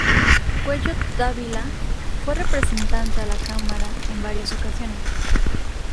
Cuello Dávila fue represente a la Cámara en varias ocasiones.